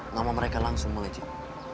nama mereka langsung melejit